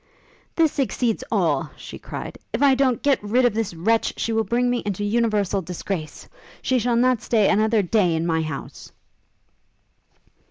'This exceeds all!' she cried: 'If I don't get rid of this wretch, she will bring me into universal disgrace! she shall not stay another day in my house.'